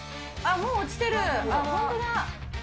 もう、落ちてる。